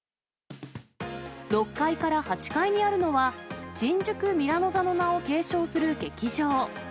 ６階から８階にあるのは、新宿ミラノ座の名を継承する劇場。